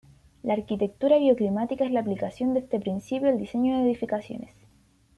La arquitectura bioclimática es la aplicación de este principio al diseño de edificaciones.